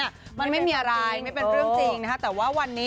มันไม่มีอะไรไม่เป็นเรื่องจริงนะคะแต่ว่าวันนี้